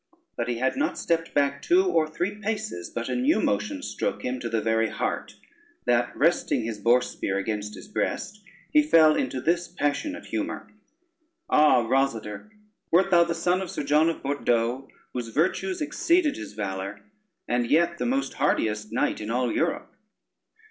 But he had not stepped back two or three paces, but a new motion stroke him to the very heart, that resting his boar spear against his breast, he fell into this passionate humor: "Ah, Rosader, wert thou the son of Sir John of Bordeaux, whose virtues exceeded his valor, and yet the most hardiest knight in all Europe?